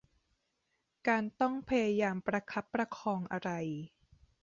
การต้องพยายามประคับประคองอะไร